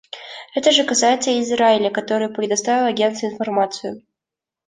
Это же касается и Израиля, который предоставил Агентству информацию.